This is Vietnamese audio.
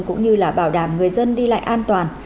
cũng như là bảo đảm người dân đi lại an toàn